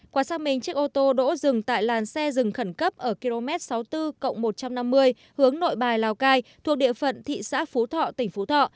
qua xác minh chiếc ô tô đỗ rừng tại làn xe rừng khẩn cấp ở km sáu mươi bốn một trăm năm mươi hướng nội bài lào cai thuộc địa phận thị xã phú thọ tỉnh phú thọ